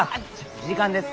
時間です。